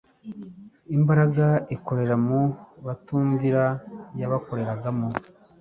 Imbaraga ikorera mu batumvira yabakoreragamo,